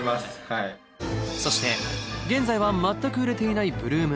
はいそして現在は全く売れていない